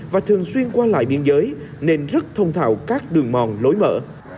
và thường xuyên qua lại biên giới nên rất thông thảo các đường mòn lối mở